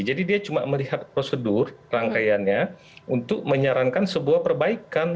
jadi dia cuma melihat prosedur rangkaiannya untuk menyarankan sebuah perbaikan